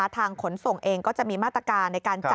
ทางขนส่งเองก็จะมีมาตรการ